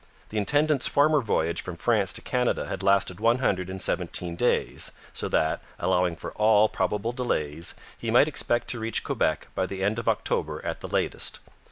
The intendant's former voyage from France to Canada had lasted one hundred and seventeen days, so that, allowing for all probable delays, he might expect to reach Quebec by the end of October at the latest.